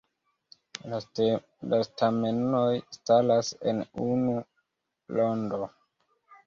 La stamenoj staras en unu rondo.